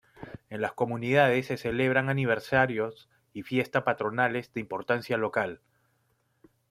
En las comunidades se celebran aniversarios y fiesta patronales de importancia local.